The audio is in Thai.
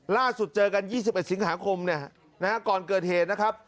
ล่าสุดเจอกัน๒๘สิงหาคมเนี่ยนะครับก่อนเกิดเหตุนะครับ